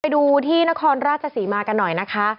ดูที่นครราชศรีมากันหน่อยนะคะ